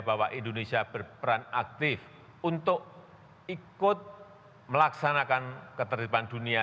bahwa indonesia berperan aktif untuk ikut melaksanakan ketertiban dunia